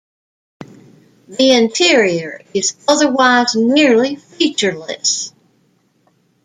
The interior is otherwise nearly featureless.